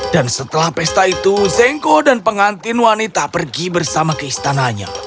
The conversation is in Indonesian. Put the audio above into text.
dan setelah pesta itu zengko dan pengantin wanita pergi bersama ke istananya